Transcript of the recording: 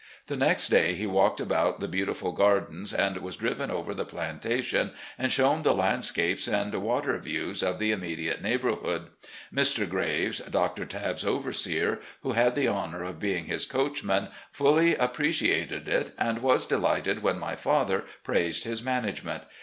The next day he walked about the beautiful gardens, and was driven over the plantation and shown the landscapes and water views of the immediate neighboiirhood. Mr. Graves, Dr. Tabb's overseer, who had the honour of being his coachman, fully appreciated it, and was delighted when my father praised his management.